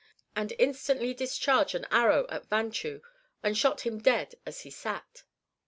" and instantly dis charged an arrow at Vanchu and shot him dead as he sat.